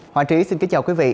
hoàng trí xin kính chào quý vị